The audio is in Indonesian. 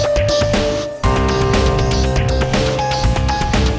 pak kayaknya yang bener